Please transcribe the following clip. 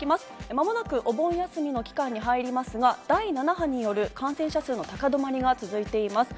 間もなくお盆休みの期間に入りますが、第７波による感染者数の高止まりが続いています。